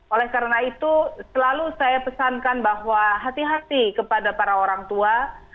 oleh karena itu selalu saya pesankan bahwa hati hati kepada para orang tua